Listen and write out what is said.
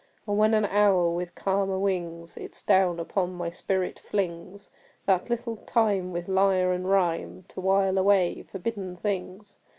And when an hour with calmer wings Its down upon my spirit flings That little time with lyre and rhyme To while away forbidden things!